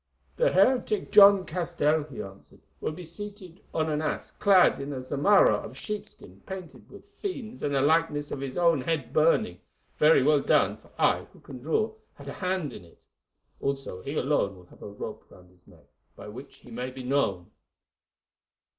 "The heretic John Castell," he answered, "will be seated on an ass, clad in a zamarra of sheepskin painted with fiends and a likeness of his own head burning—very well done, for I, who can draw, had a hand in it. Also, he alone will have a rope round his neck, by which he may be known."